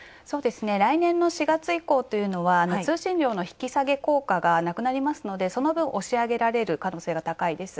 来年の４月以降というのは通信料の引き下げ効果がなくなりますのでその分、押し上げられる可能性が高いです。